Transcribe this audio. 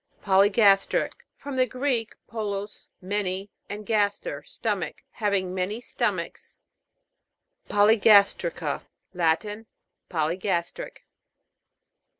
POLYGAS'TRIC. From the Greek, polus, many, and gaster, stomach. Having many stomachs. POLYGAS'TRICA. Latin. Polygas tric.